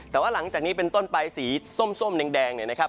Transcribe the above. แต่ว่าหลังจากนี้เป็นต้นปลายสีส้มแดงนะครับ